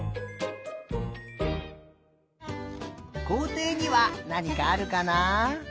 こうていにはなにかあるかな？